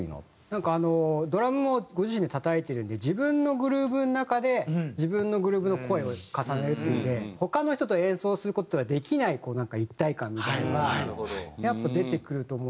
なんかあのドラムもご自身でたたいてるんで自分のグルーヴの中で自分のグルーヴの声を重ねるっていうので他の人と演奏する事ではできないこうなんか一体感みたいなのがやっぱ出てくると思うので。